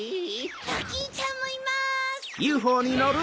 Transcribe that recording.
ドキンちゃんもいます！